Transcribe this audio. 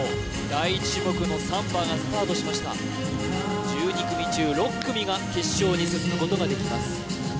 第１種目のサンバがスタートしました１２組中６組が決勝に進むことができます